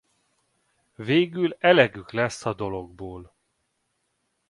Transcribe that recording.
Végül elegük lesz a dologból.